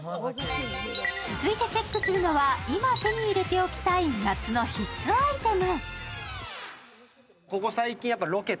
続いてチェックするのは今手に入れておきたい夏の必須アイテム。